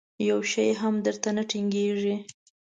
یو شی هم در ته نه ټینګېږي.